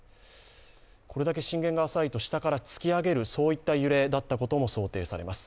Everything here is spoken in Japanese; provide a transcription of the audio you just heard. これだけ震源が浅いと下から突き上げる揺れだったことが予想されます。